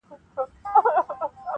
o ستا د مخ د سپین کتاب پر هره پاڼه,